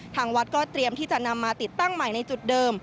ทางวัดก็เตรียมที่จะนำมาติดตั้งใหม่ในจุดเดิม